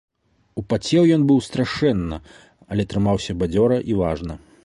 Упацеў ён быў страшэнна, але трымаўся бадзёра і важна.